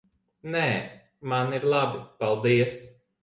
Nē, man ir labi. Paldies.